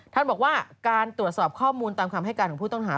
ท่านบอกว่าการตรวจสอบข้อมูลตามคำให้การของผู้ต้องหา